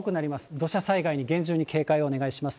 土砂災害に厳重に警戒をお願いします。